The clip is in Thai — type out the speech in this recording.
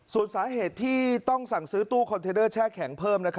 ส่วนสาเหตุที่ต้องสั่งซื้อตู้คอนเทนเดอร์แช่แข็งเพิ่ม